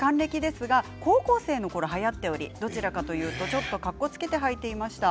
高校生のころ、はやっていてどちらかというとかっこつけてはいていました。